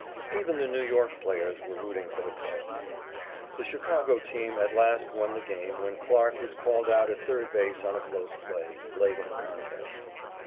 Even the New York players were rooting for the Cubs. The Chicago team at last won the game when Clarke was called out at third base on a close play, late in the contest.